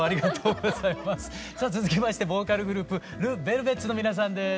さあ続きましてボーカルグループＬＥＶＥＬＶＥＴＳの皆さんです。